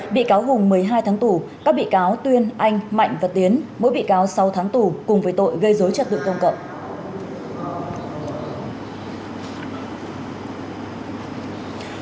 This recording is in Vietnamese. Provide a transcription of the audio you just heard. bị cáo hùng một mươi hai tháng tù các bị cáo tuyên anh mạnh và tiến mỗi bị cáo sáu tháng tù cùng với tội gây dối trật tự công cộng